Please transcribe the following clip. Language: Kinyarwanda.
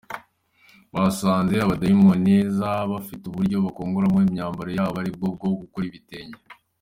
basanze abanyaindoneziya bafite uburyo bakoragamo imyambaro yabo aribwo bwo gukora ibitenge